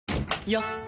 よっ！